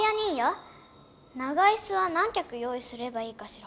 長いすは何きゃく用いすればいいかしら？